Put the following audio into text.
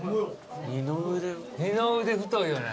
二の腕太いよね。